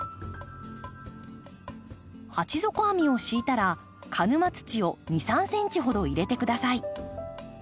鉢底網を敷いたら鹿沼土を２３ｃｍほど入れて下さい。